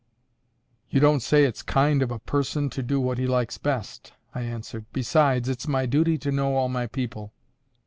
"You don't say it's kind of a person to do what he likes best," I answered. "Besides, it's my duty to know all my people."